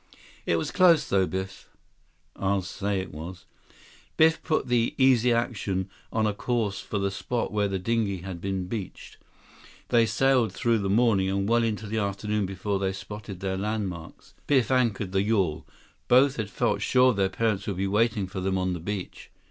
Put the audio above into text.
"It was close, though, Biff." "I'll say it was." Biff put the Easy Action on a course for the spot where the dinghy had been beached. They sailed through the morning and well into the afternoon before they spotted their landmarks. Biff anchored the yawl. Both had felt sure their parents would be waiting for them on the beach.